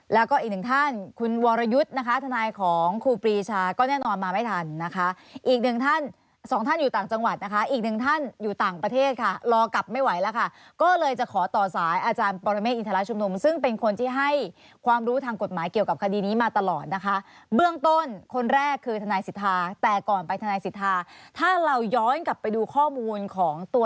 แล้วก็อีกหนึ่งท่านคุณวรยุทธ์นะคะทนายของครูปรีชาก็แน่นอนมาไม่ทันนะคะอีกหนึ่งท่านสองท่านอยู่ต่างจังหวัดนะคะอีกหนึ่งท่านอยู่ต่างประเทศค่ะรอกลับไม่ไหวแล้วค่ะก็เลยจะขอต่อสายอาจารย์ปรเมฆอินทรชุมนุมซึ่งเป็นคนที่ให้ความรู้ทางกฎหมายเกี่ยวกับคดีนี้มาตลอดนะคะเบื้องต้นคนแรกคือทนายสิทธาแต่ก่อนไปทนายสิทธาถ้าเราย้อนกลับไปดูข้อมูลของตัว